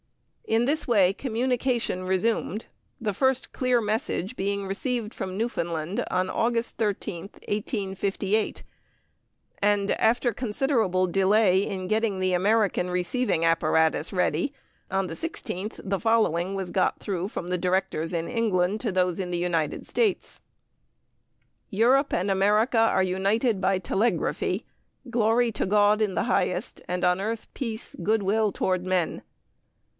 _ In this way communication was resumed, the first clear message being received from Newfoundland on August 13, 1858, and after considerable delay in getting the American receiving apparatus ready on the 16th the following was got through from the directors in England to those in United States: Europe and America are united by telegraphy. Glory to God in the highest, on earth peace, good will toward men!